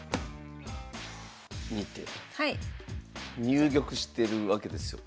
入玉してるわけですよ。